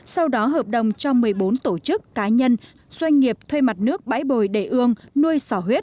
sau đó hợp đồng cho một mươi bốn tổ chức cá nhân doanh nghiệp thuê mặt nước bãi bồi để ương nuôi sỏ huyết